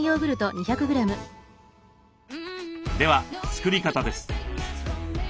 では作り方です。